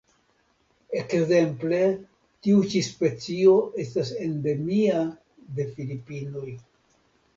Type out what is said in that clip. Ekzemple tiu ĉi specio estas endemia de Filipinoj.